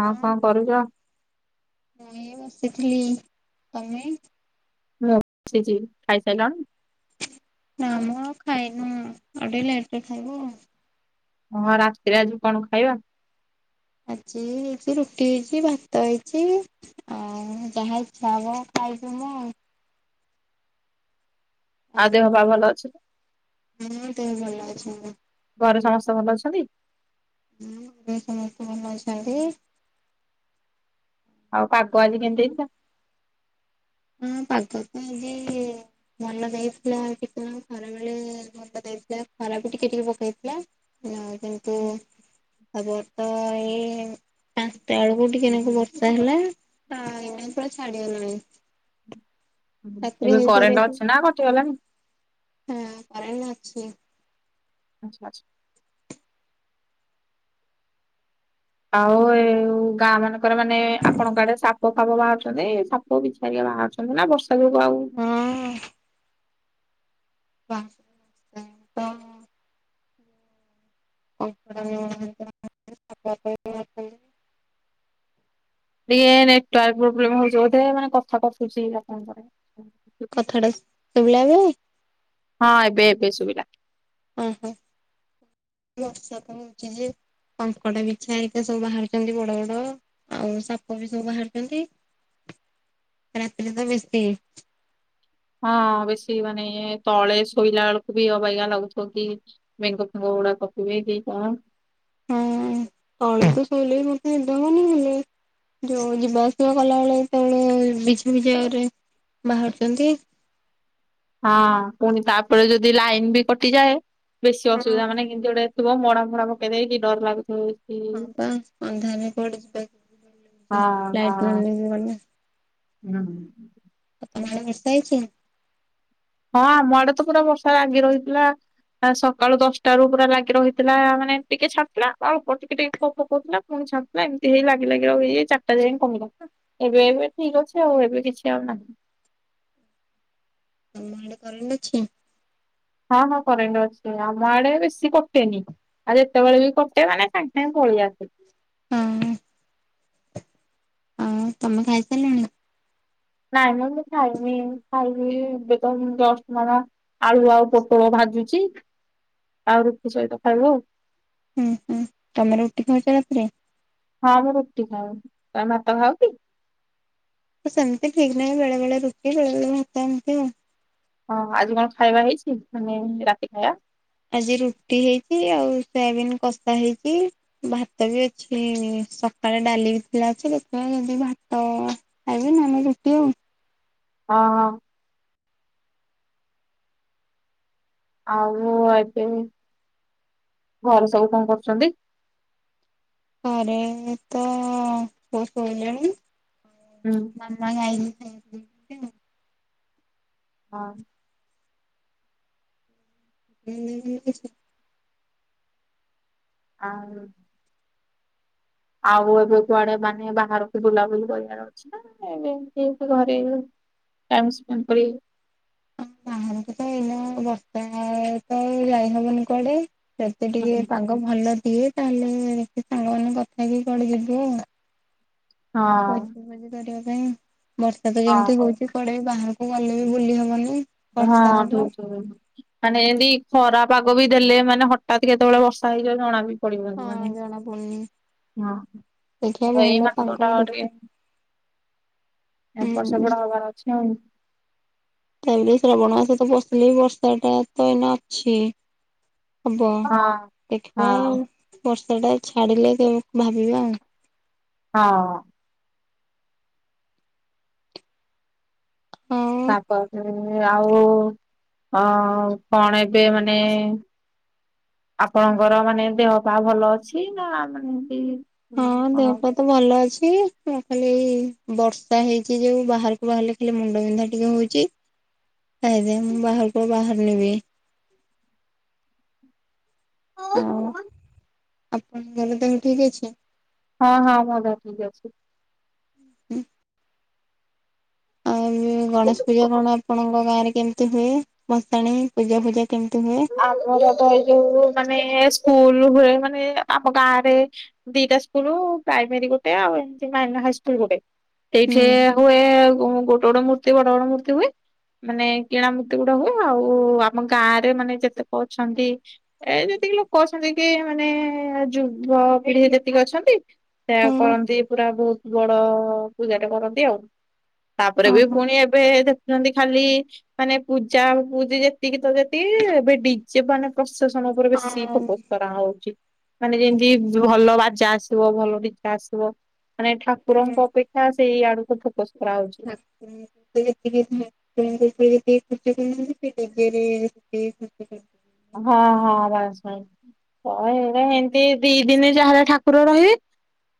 ହଁ କଣ କରୁଛ? ମୁଇଁ ବସିଥିଲି। ତମେ? ବସିଚି ଖାଇସାଇଲଣି? ନାଁ ମ ଆଉ ଖାଇନୁ ଆଉ ଟିକେ ଲେଟରେ ଖାଇବୁ ଆଉ। ହଁ ରାତିରେ ଆଜି କଣ ଖାଇବା? ଆଜି ହେଇଛି ରୁଟି ହେଇଚି ଭାତ ହେଇଚି। ଆଉ ଯାହା ଇଚ୍ଛା ହବ ଖାଇବି ମୁଁ ଆଉ। ଆଉ ଦେହ ପା ଭଲ ଅଛି? ହୁଁ ଦେହ ଭଲ ଅଛି। ଘରେ ସମସ୍ତେ ଭଲ ଅଛନ୍ତି? ହୁଁ ଘରେ ସମସ୍ତେ ଭଲ ଅଛନ୍ତି। ଆଉ ପାଗ ଆଜି ଆପଣଙ୍କ କେମିତି ଦେଇଥିଲା? ହୁଁ ପାଗ ତ ଆଜି ଭଲ ଦେଇଥିଲା କେତେବେଳେ ଖରାବେଳେ ଭଲ ଦେଇଥିଲା ଖରା ବି ଟିକେ ଟିକେ ପକେଇଥିଲା। ନାଁ କିନ୍ତୁ ଆବ ପାଞ୍ଚଟା ବେଳକୁ ଟିକେ ନାଗୁ ବର୍ଷା ହେଲା ଏ ପା ଛାଡିଗଲାଣି। ଚାକିରି ଏବେ ହେଇପାରେ କରେଣ୍ଟ ଅଛି ନା କଟିଗଲାଣି? ହୁଁ କରେଣ୍ଟ ଅଛି। ଆଚ୍ଛା ଆଚ୍ଛା। ଆଉ ଏ ଗାଁ ମାନଙ୍କରେ ମାନେ ଆପଣଙ୍କ ଆଡେ ସାପ ଫାପ ବାହାରୁଛନ୍ତି ଏ ସା ପ ବିଛା ହେରିକା ବାହାରୁଛନ୍ତି ନା ବର୍ଷା ଯୋଗୁଁ ଆଉ ହଁ [unintelligible] କଙ୍କଡ଼ା [unintelligible] ଟିକେ ନେଟୱାର୍କ ପ୍ରୋବ୍ଲେମ ହଉଛି ବୋଧେ ମାନେ କଥା କରୁଛି ଆପଣଙ୍କ ର। କଥା ଟା ଶୁଭିଲା ବେଳେ ହଁ ଏବେ ଏବେ ସୁବିଲା। ଓ ହୋ ବର୍ଷା ତ ହଉଛି ଯେ କଙ୍କଡା ବିଛା ହେରିକା ସବୁ ବାହାରୁଛନ୍ତି ବଡ ବଡ ଆଉ ସାପ ବି ସବୁ ବାହାରୁଛନ୍ତି। [inaudible] [inaudible] ହଁ, ବେଶୀ ମାନେ ତଳେ ଶୋଇଲା ଳକୁ ବି ଅବାଗିଆ ଲାଗୁ--ବ କି? ବେଙ୍ଗ ଫେଙ୍ଗ ଗୁଡା ଥିବେ କି କଣ୍? [inaudible] ଯଉ ଯିବା ଆସିବା କଲା ବିଛା ଛା ବାହାରୁଚନ୍ତି। ହଁ ପୁଣି ତା'ପରେ ଯଦି ଲାଇନ୍‌ ବି କଟିଯାଏ, ବେଶୀ ହଁ। ଅସୁବିଧା। ମାନେ [inaudible] ହଁ ହଁ [inaudible] ହୁଁ [inaudible] ହଁ! ଆମ ଆଡ଼େ ତ ପୁରା ବର୍ଷା ଲାଗି ରହି--ଲା। ସକାଳୁ ଦଶଟା ରୁ ପୁରା ଲାଗି ରହିଥିଲା, ମାନେ ଟିକେ ଛା--ଥିଲା। ଟିକେ ଟିକେ [inaudible] ଏବେ ଏବେ ଠିକ୍ ଅଛି ଆଉ, ଏବେ କିଛି ଆଉ ନାହିଁ। ତମ ଆଡ଼େ କ ଅଛି। ହଁ ହଁ କରେ ଅଛି, ଆମ ଆଡ଼େ ବେଶୀ କଟେନି। ଆଉ ଯେତବେଳେ ବି କଟେ, ମାନେ ସାଙ୍ଗ୍ ସାଙ୍ଗେ ପଳେଇ ଆସେ। ତମେ ଖାଇ ସାର୍ଲଣି? [inaudible] ଆଳୁ ଆଉ ପୋଟଳ ଭାଜୁଚି, ଆଉ ରୁଟିି ସଇତ ଖାଇବ ଆଉ। ତମେ ରୁଟି ଖାଉଚ ରା--ରେ? ହଁ, ମୁଁ ରୁଟି ଖାଏ। ମେ ଭାତ ଖାଅ କି? ସେମ୍ତି ଠିକ୍ ନାହିଁ, ବେଳେ ବେଳେ ରୁଟି ବେଳେ ବେଳେ ଭାତ ଏମ୍ତି ଆଉ। ହଁ, ଆଜି କ'ଣ ଖାଇବା ହେଇଚି, ମନେ ରାତି ଖା--ବା? ଆଜି ରୁଟି ହେଇଚି ଆଉ, ସୋୟାବିିନ୍‌ କଷା ହେଇଚି। ଭାତ ବି ଅଛି, ସକାଳେ ଡ଼ାଲି ଥିଲା। [inaudible] [inaudible] ଆଉ ଏବେ, ଘରେ ସବୁ କରୁଚନ୍ତି? [inaudible] ହୁଁ [inaudible] ହଁ [inaudible] ଆଉ ଆଉ ଏବେ କୁଆଡ଼େ ମାନେ ବାହା [inaudible] [inaudible] ଭଲ ଦିଏ, ତା ସାଙ୍ଗ ମାନେ କଥା ହେଇକି କି କୁଆଡ଼େ ଯିବୁ ଆଉ। ହଁ ଭୋଜି ଜି କରିବା ପାଇଁ, ବର୍ଷା ତ ହଁ ଯେମ୍ତି ହଉଚି କୁଆଡ଼େ ବାହାରକୁ ଗଲେ ବି ଭୁଲି ହବନି। [inaudible] ବର୍ଷା ହବ। ମାନେ ଏ---ଖରା ପାଗ ବି ଦେଲେ ମାନେ ହଟାତ୍ କେତେବଳେ ବର୍ଷା ହେଇଯାଏ। ଜଣା ହଁ ଜଣା ପଡୁନି ଦେଖିବା ଭଲ ପାଗ [inaudible] ଦେଖି ଏ ବର୍ଷ, ହୁଁ। ଗୁଡ଼ା ହବାର ଅଛି ଆଉ। ଶ୍ରାବଣ ମାସ------ସିଲେ ବର୍ଷାଟା ତ ଏଇନା ଅଛି। ହବ ହଁ ହଁ ବର୍ଷାଟା ଛାଡ଼ିଲେ ଭାବିବା ଆଉ। [inaudible] ହଁ [inaudible] ଆପଣଙ୍କର ମାନେ ଦେହ ପା ଭଲ ଅଛି? ନା ମାନେ ହଁ ଦେହ ପା ହଁ ତ ଭଲ ଅଛି ଖାଲି ବର୍ଷା ହେଇଛି ଯୋଉ ବାହାରକୁ ବାହାରିଲେ ହେଲେ ମୁଣ୍ଡ ବିନ୍ଧା ଟିକେ ହଉଛି ହେଇଥି ମୁଁ ବାହାରକୁ ଆ ବାହାରୁଣିବି ଆଉ ଆପଣ [unintelligible] ଠିକ୍ ଅଛି? ହଁ ହଁ ମୁଁ ଧରିଛି ଝିଅ କୁ। ହୁଁ ଏଇ ଗଣେଶ ପୂଜା କଣ ଆପଣଙ୍କ ଗାଁ ରେ କେମିତି ହୁଏ ଭସାଣୀ ପୂଜା ଫୂଜା କେମିତି ହୁଏ? ଆମ ଏଇ ଯୋଉ ମାନେ ସ୍କୁଲ ହୁଏ ମାନେ ଆମ ଗାଁ ରେ ଦିଟା ସ୍କୁଲ ପ୍ରାଇମେରୀ ଗୋଟେ ଆଉ ଏମ ମ ହାଇସ୍କୁଲ ଗୋଟେ ସେଇଠି ହୁଁ ହୁଏ ଗୋ ପୋଟୋଡ ମୂର୍ତ୍ତି ବଡ ବଡ ମୂର୍ତ୍ତି ହୁଏ ମାନେ କିଣା ମୂର୍ତ୍ତି ଗୁଡା ହୁଏ ଆଉ ଆମ ଗାଁରେ ମାନେ ଯେତେ କହୁଛନ୍ତି। ଏ ଯେତିକି ଲୋକ ଅଛନ୍ତି କି ମାନେ ଯୁବପିଢି ଯେତିକି ଅଛନ୍ତି। ସେ ହଁ କରନ୍ତି ପୁରା ବହୁତ ବଡ଼ ପୂଜାଟେ କରନ୍ତି ଆଉ। ତାପରେ ବି ଓହୋ ପୁଣି ଏବେ ଦେଖୁଛନ୍ତି ଖାଲି ମାନେ ପୂଜା ପୂଜି ଯେତିକି ତ ସେତିକି ଏବ୍ ଡିଜେ ମାନେ ପ୍ରଶାସନ ଉପରେ ବେଶୀ ହଁ ଫୋକସ କରାହଉଛି। ମାନେ ଯେମିତି ଭଲ ବାଜା ଆସିବ ଭଲ ନିଜା ଆସିବ ମାନେ ଠାକୁରଙ୍କ ଅପେକ୍ଷା ହଁ ସେଇ ଆଡକୁ ଫୋକସ କରାହଉଛି। ଯେତିକି ତମ ଯେତିକି ଖର୍ଚ୍ଚ କରୁନାହାନ୍ତି ତା ଦେହରେ ସେ ଖର୍ଚ୍ଚ ହଁ ହଁ ବାସ୍ ବାସ୍। ହ ଏୟା ଏମତି ଦି ଦିନ ଯାହାର ଠାକୁର ରହିବେ।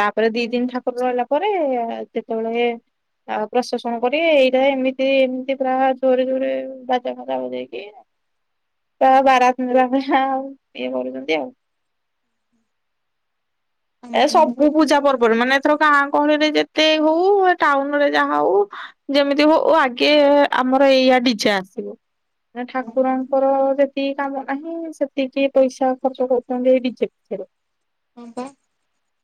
ତାପରେ ଦି ଦିନ ହୁଁ ଠାକୁର ରହିଲା ପରେ ଆ ଯେତେବେଳେ ଆଉ ପ୍ରଶାସନ କରି ଏଇଟା ଏମିତି ଏମିତି ପୁରା ଜୋରେ ଜୋରେ ବାଜା ଫାଜା ବଜେଇକି [unintelligible] ଇଏ କରୁଛନ୍ତି ଆଉ। ଏ ଆମର ସବୁ ବି ଏଠି ପୂଜା ପର୍ବରେ ମାନେ ଏଥର ଗାଁ ଗହଳିରେ ଯେତେ ହଉ ଟାଉନରେ ଯାହା ହଉ। ଯେମିତି ହଉ ଆଗେ ଆମର ଏଇଆ ଡିଜେ ଆସିବ ହଁ ଠାକୁରଙ୍କର ଯେ ଯେତିକି କାମ ନାହିଁ ସେତିକି ପଇସା ଖର୍ଚ୍ଚ କରୁଛନ୍ତି ଏଇ ଡିଜେ ପଛରେ। ହଁ ବା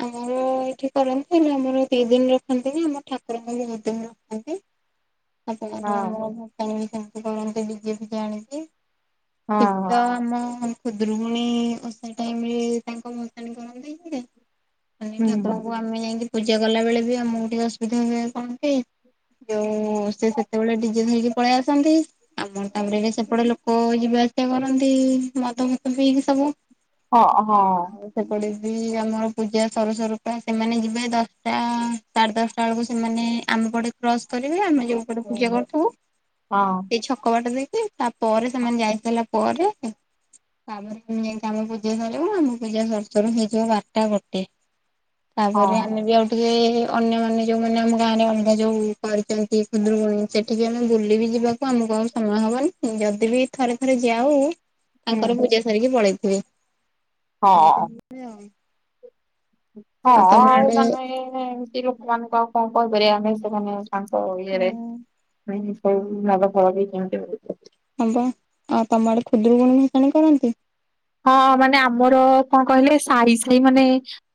ଆମର ସେଇଠି କରନ୍ତି ହେଲେ ଆମର ଦି ଦିନ ରଖନ୍ତି ନା ଆମ ଠାକୁରଙ୍କୁ ଦି ଦିନ ରଖନ୍ତି। ସେପ ହଁ ଆମର ଭୂଶାଣୀ ବି ସେମିତି କରନ୍ତି ଡିଜେ ଫିଜେ ଆଣିକି? ହଁ ଶୀତ ହଁ ଆମ ଖୁଦୁରୁକୁଣୀ ଓଷା ଟାଇମରେ ତାଙ୍କ [unintelligible] କଣ ଦେଇ ହୁଁ ଠାକୁରଙ୍କୁ ଆମେ ଯାଇକି ପୂଜା କଲାବେଳେ ବି ଆମକୁ ଟିକେ ଅସୁବିଧା ହୁଏ କଣ କି। ଯୋଉ ସେ ସେତେବେଳେ ଡିଜେ ଧରିକି ପଳେଇ ଆସନ୍ତି। ଆମର ତାପରେ ଏ ସେପଟ ଲୋକ ଯିବା ଆସିବା କରନ୍ତି ମଦ ଫଦ ପିଇକି ସବୁ। ହଁ ହଁ। ଆଉ ସେପଟେ ବି ଆମର ପୂଜା ସରୁ ସରୁପା ସେମାନେ ଯିବେ ଦଶଟା ସାଢ଼େ ଦଶଟା ସଟା ବେଳକୁ ସେମାନେ ଆମ ବଡ଼ କ୍ରସ କରିବେ ଆମେ ଯୋଉପଟ ପୂଜା କରୁଥାଉ ହଁ ଏଇ ଛକ ବାଟ ଦେଇକି। ତା ପରେ ସେମାନେ ଯାଇ ସାରିଲା ପରେ। ତାପରେ ଏମିତି ଆମ ପୂଜା ସରିବ ଆମ ପୂଜା ସରୁ ସର୍ ସରୁ ହେଇଯିବ ବାରଟା ଗୋଟେ ତାପରେ ହଁ ଆମେ ବି ଆଉ ଟିକେ ଅନ୍ୟମାନେ ଯୋଉମାନେ ଆମ ଗାଁ ରେ ଅଲଗା ଯୋଉ କରିଛନ୍ତି ଖୁଦୁରୁକୁୁଣୀ ସେଠିକି ଆମେ ବୁଲି ବିି ଯିବା ଆମକୁ ଆଉ ସମୟ ହବନି ଯଦି ବି ଥରେ ଥରେ ଯାଉ ତାଙ୍କର ହୁଁ ପୂଜା ସାରିକି ପଳେଇଥିବେ ଏମିତି ହଁ। ହୁଏ। ହଁ ତମ ଆଉ ଆଡେ ମାନେ ଏମିତି ଲୋକମାନଙ୍କୁ ଆଉ କଣ କହପାରିବା ଆମେ ସେମାନେ ତାଙ୍କ ଇଏରେ ହୁଁ। ସବୁ ମଲ ଘର ବି କେମତି ହ ହବା ଆଉ ତମ ଆଡେ ଖୁଦୁରୁକୁଣି ଭସାଣି କରନ୍ତି? ହଁ ମାନେ ଆମର କଣ କହିଲେ ସାହି ସାହି ମାନେ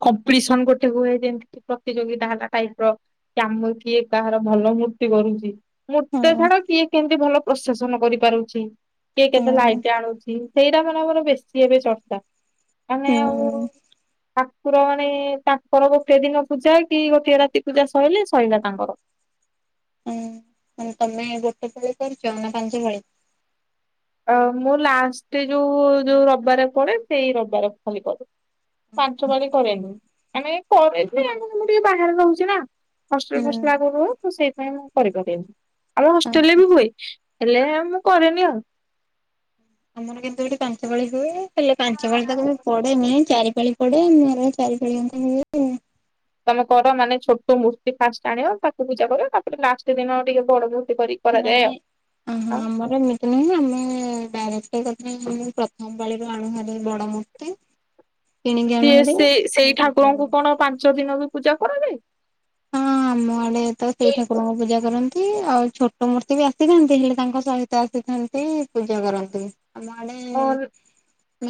କମ୍ପିଟିସନ ଗୋଟେ ହୁଏ ଯେମିତି ପ୍ରତିଯୋଗିତା ହେଲା ଟାଇପ ର।। କାମ କିଏ କାହାର ଭଲ ମୂର୍ତ୍ତି କରୁଛି? ହଁ ମୋତେ ଛାଡ କିଏ କେମିତି ଭଲ ପ୍ରସେସନ କରିପାରୁଛି, କିଏ କେତେ ହଁ ଲାଇଟ୍ ଆଣୁଛି? ସେଇଟା ମାନେ ମୋର ବେଶୀ ଏବେ ଚର୍ଚ୍ଚା, ମାନେ ଆଉ ହୁଁ ଠାକୁର ମାନେ ତାଙ୍କର ଗୋଟିଏ ଦିନ ପୂଜା କି ଗୋଟିଏ ରାତି ପୂଜା ସରିଲେ ସରିଲା ତାଙ୍କର। ଉୁଁ ମାନେ ତମେ ଗୋଟେ ପାଳି କରିଛ ନା ପାଞ୍ଚ ପାଳି? ଅ ମୁଁ ଲାଷ୍ଟ ଯୋଉ ଯୋଉ ରବିବାର ପଡେ, ସେଇ ରବାର ଖାଲି କରେ। ପାଞ୍ଚ ବାରି କରେନି, ଆମେ କରେ ଆମ ମୁଁ ଟିକେ ବାହାରେ ରହୁଛି ନା। ହୁଁ [unintelligible] ଆଗରୁ ତ ସେଇପାଇଁ ମୁଁ କରିପାରେନି, ଆଉ ହଷ୍ଟେଲ ରେ ବି ହୁଏ ହେଲେ ମୁଁ କରେନି ଆଉ। ଆମର କିନ୍ତୁ ଏଠି ପାଞ୍ଚ ପାଳି ହୁଏ, ହେଲେ ପାଞ୍ଚ ପାଳି ତ କେବେ? ପଡେ଼ନି, ଚାରିପାଳି ପଡେ଼ ଆମର ଚାରିପାଳି ଆଙ୍କ ହୁଏ ଆଉ। ତମେ କର, ମାନେ ଛୋଟ ମୂର୍ତ୍ତି ଫାଷ୍ଟ ଆଣିବ ତାକୁ ପୂଜା କର, ତାପରେ ଲାଷ୍ଟ ଦିନ ଟିକେ ବଡ଼ ମୂର୍ତ୍ତି କରି ନାଇଁ, ଅହ। ଆମର ଏମିତି ନାହିଁ, ଆମେ ଡାଇରେକ୍ଟ ଏକାଥରେ ମୁ ପ୍ରଥମ ପାଳିରୁ ଆଣୁ ହାରି ବଡ ମୂର୍ତ୍ତି। କିଣିକି ଆଣୁ ସିଏ, ଭାରି ସେଇ ସେଇ ପୂଜା ଠାକୁରଙ୍କୁ କରୁ। କଣ ପାଞ୍ଚ ଦୀନ ବି ପୂଜା କରାଯାଏ? [inaudible] ମୁଁ ଆଣେ ଯେତେବେଳେ ସେଇ ଠାକୁରଙ୍କୁ ପୂଜା କରନ୍ତି, ଆଉ ଛୋଟ ମୂର୍ତ୍ତି ବି ଆସିଥାନ୍ତି, ହେଲେ ତାଙ୍କ ସହି ତ ଆସିଥାନ୍ତି, ପୂଜା କରନ୍ତି। ଆମ ଆଡେ଼,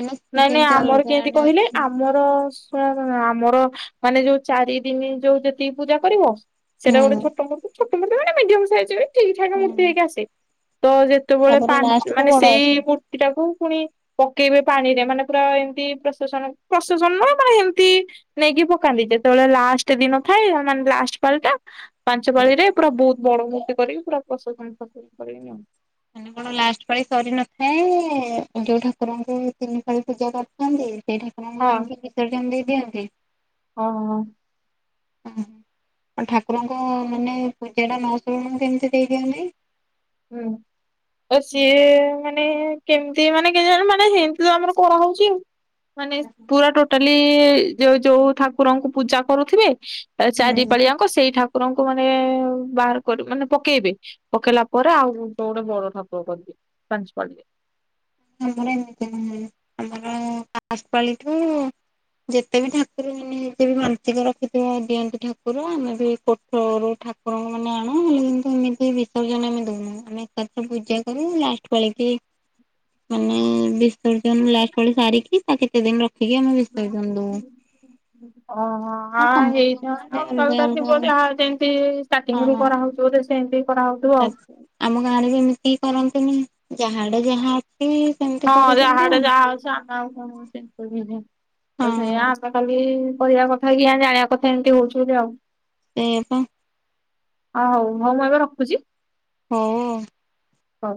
ମାନେ ନାଇଁ ନାଇଁ ଯେମିତି ଆମର ଅଲଗା କେମିତି ଆଡେ଼ କହିଲେ ଅଛି। [unintelligible] ଆମର ମାନେ ଯୋଉ ଚାରି ଦିନି ଯୋଉ ଯେତିକି ପୂଜା କରିବ? ସେଟା ଗୋଟେ ହୁଁ। ଛୋଟ ମୂର୍ତ୍ତି, ଛୋଟ ମୂର୍ତ୍ତି ମାନେ ମିଡି଼ୟମ ସାଇଜ୍ ରେ ଠିକ ଠାକ ହୁଁ ମୂର୍ତ୍ତି ହେଇକି ଆସେ, ତ ଯେ ତେବେଳେ ତାପରେ ପାନ୍ ଲାଷ୍ଟ କୁ ମାନେ ବଡ ସେଇ ଅଛି। ମୂର୍ତ୍ତି ଟାକୁ ପୁଣି ପକେଇବେ ପାଣିରେ, ମାନେ ପୁରା ଏମିତି ପ୍ରସେସନ ପ୍ରସେସନ ନ ମାନେ ଏମତି ନେଇକି ପକାନ୍ତି, ଯେତେବେଳେ ଲାଷ୍ଟ ଦିନ ଥାଏ, ମାନେ ଲାଷ୍ଟ ପାଳିଟା ପାଞ୍ଚପାଳି ରେ ପୁରା ବହୁତ ବଡ଼ ମୂର୍ତ୍ତି କରିକି ପୁରା ପ୍ରସ [unintelligible] କରି ନିଅନ୍ତି। ମାନେ କଣ ଲାଷ୍ଟ ପାଳି ସରି ନଥାଏ, ଯୋଉ ଠାକୁରଙ୍କୁ ତିନି ପାଳି ପୂଜା କରିଥାନ୍ତି, ସେଇ ଠାକ୍ ଠାକୁରଙ୍କୁ ହଁ ଯାଇକି ବିସର୍ଜନ ଦେଇ ଦିଅନ୍ତି? ହଁ, ହଁ। ଆ ଠାକୁରଙ୍କ ମାନେ ପୂଜା ଟା ନସରୁଣୁ କେମତି ଦେଇଦିଅନ୍ତି? ହୁଁ ଉଁ ତ ସିଏ ମାନେ କେମିତି ମାନେ କେଜାଣି ମାନେ ହେମତି ତ ଆମର କରାହଉଛି, ଆଉ। ମାନେ ପୁରା ଟୋଟାଲି ଯୋଉ ଯୋଉ ଠାକୁରଙ୍କୁ ପୂଜା କରୁଥିବେ? ତାପରେ ଚାରି ହୁଁ। ପାଳିଆଙ୍କ ସେଇ ଠାକୁରଙ୍କୁ ମାନେ ବାହାର କରୁ ମାନେ ପକେଇବେ, ପକେଇଲା ପରେ ଆଉ ଗୋଟେ ଗୋଟେ ବଡ଼ ଠାକୁର କରିବେ, ପାଞ୍ଚପାଳିରେ। ଆମର ଏମିତିବି ହୁଏ, ଆମର ଆଶ୍ ପାଳିଠୁ ଯେତେବି ଠାକୁରଙ୍କୁ ନିହାତିଵି ମାନସିକ ରଖିଥିବ ଦିଅନ୍ତି ଠାକୁର, ଆମେବି ଫ୍ଲୋର୍ ରୁ ଠାକୁରଙ୍କ ମାନେ ଆଣୁ, ହେଲେ କିନ୍ତୁ ଏମିତି ବିସର୍ଜନ ଆମେ ଦଉନୁ, ଆମେ ଏକାଥ ପୂଜା କରୁ ଲାସ୍ ପାଳିକି ମାନେ ବିସର୍ଜନ ଲାଷ୍ଟ ପାଳି ସାରିକି, ତା କେତେ ଦିନ ରଖିକି ଆମେ ବିସର୍ଜନ ଦଉ। ହଁ, ହଁ। ଆଉ ହଁ ହେଇଥା, ସମସ୍ତଙ୍କ ଆଡେ ଆଉ ଅଲଗା କାଲକା ଅଲଗା ଥିବ ହଁ ଯେ ହାଟ୍ ଏମିତି ଷ୍ଟାର୍ଟିଙ୍ଗ ରୁ କରାହଉିଚି ବୋଧେ ସେମତି କରାହଉଥିବ ଆଉ। ତାପରେ ଆମ ଗାଁରେ ବି ଏମିତି କରନ୍ତିନି, ଯାହାଡେ଼ ଯାହା। ଏଇ ସେମ୍ ହଁ, ଯାହାଡେ଼ ଯାହା ଅଛି, ଆମେ ଆଉ କଣ [unintelligible] ହଁ ସେଇଆ କାଲି କହିବା କଥା କି ଜାଣିବା କଥା ଏମିତି ହଉଛି ବୋଲି ଆଉ। ସେୟାପା ଓ ହଉ, ହଉ ମୁଁ ଏବେ ରଖୁଛି। ହ ଅଁ। ହଁ।